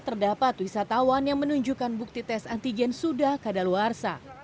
terdapat wisatawan yang menunjukkan bukti tes antigen sudah keadaan luar saha